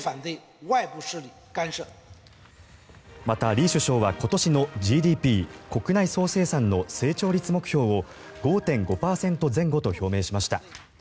また、李首相は今年のＧＤＰ・国内総生産の成長率目標を５．５％前後と表明しました。